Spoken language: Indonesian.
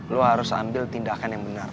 lo harus ambil tindakan yang benar